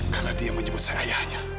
karena dia menyebut saya ayahnya